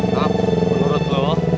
maaf menurut gue